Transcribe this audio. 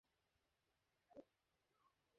মাথায় ঘোমটা দেওয়া বলে সালেহাকে কেমন বৌ-বৌ মনে হচ্ছে।